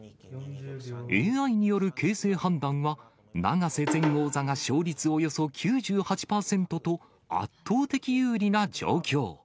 ＡＩによる形勢判断は、永瀬前王座が勝率およそ９８％と、圧倒的有利な状況。